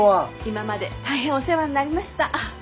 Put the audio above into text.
今まで大変お世話になりました。